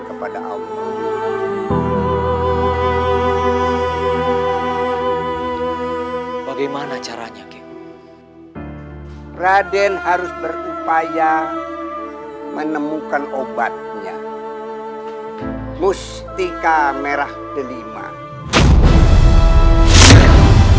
kepada allah bagaimana caranya kek raden harus berupaya menemukan obatnya mustika merah deliman